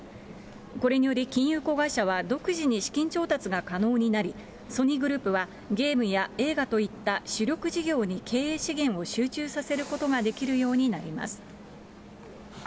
これにより、金融子会社は独自に資金調達が可能になり、ソニーグループはゲームや映画といった主力事業に経営資源を集中させることができるようになります。